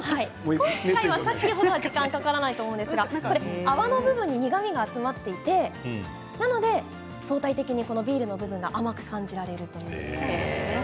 さっきほどは時間がかからないと思うんですが泡の部分に苦みが集まっていてなので相対的にビールの部分が甘く感じられると。